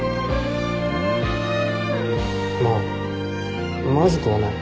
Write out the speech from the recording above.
まあまずくはない。